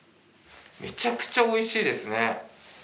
めちゃくちゃ美味しいですね！